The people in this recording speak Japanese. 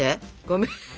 ごめん。